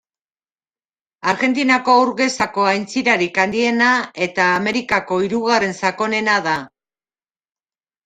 Argentinako ur gezako aintzirarik handiena eta Amerikako hirugarren sakonena da.